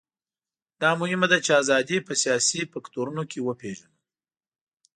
دا مهمه ده چې ازادي په سیاسي فکټورونو کې وپېژنو.